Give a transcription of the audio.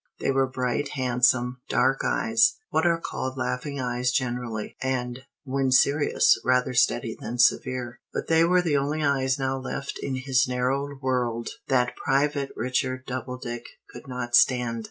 They were bright, handsome, dark eyes, what are called laughing eyes generally, and, when serious, rather steady than severe, but they were the only eyes now left in his narrowed world that Private Richard Doubledick could not stand.